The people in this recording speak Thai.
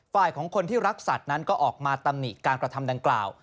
ของคนที่รักสัตว์นั้นก็ออกมาตำหนิการกระทำดังกล่าว